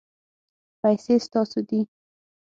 پیسې ستاسو دي